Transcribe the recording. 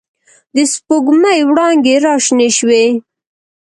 د سپوږ مۍ وړانګې را شنې شوې